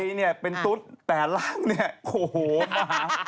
ใจเป็นตุ๊กแต่ร่างโอ้โฮหมา